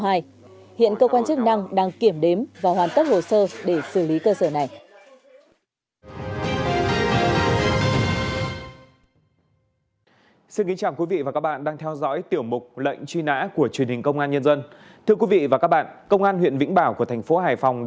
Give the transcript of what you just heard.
hiện cơ quan chức năng đã làm rõ đối tượng rượu hình các linh vật như thế này